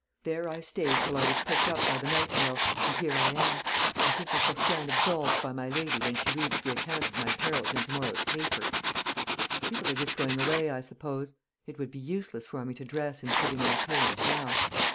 There I stayed till I was picked up by the night mail, and here I am. I think I shall stand absolved by my lady when she reads the account of my perils in to morrow's papers. People are just going away, I suppose. It would be useless for me to dress and put in an appearance now."